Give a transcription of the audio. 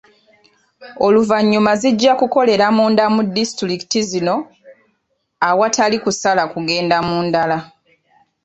Oluvannyuma zijja kukolera munda mu disitulikiti zino awatali kusala kugenda mu ndala.